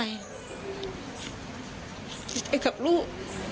เสียใจกับลูก